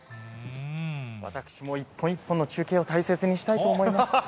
私も一本一本の中継を大切にしたいと思います。